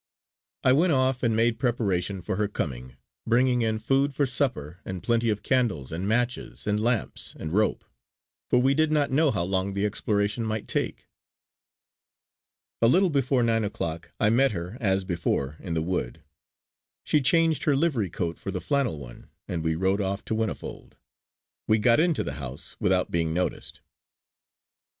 I went off and made preparation for her coming, bringing in food for supper and plenty of candles and matches and lamps and rope; for we did not know how long the exploration might take. A little before nine o'clock I met her as before in the wood. She changed her livery coat for the flannel one, and we rode off to Whinnyfold. We got into the house without being noticed.